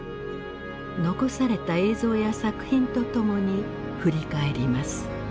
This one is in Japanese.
残された映像や作品と共に振り返ります。